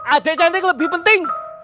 ada cantik lebih penting